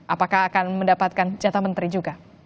apakah akan mendapatkan jatah menteri juga